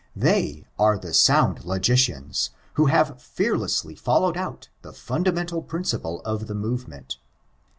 They are the sound logicians, who have fearlessly followed out the fundamental principle of the movement.